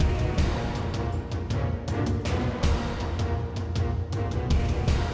ไม่เป็นไรนะไม่เป็นไรนะ